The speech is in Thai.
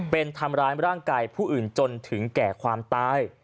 เป็นทำร้ายร่างกายผู้อื่นจนถึงแก่ความตาย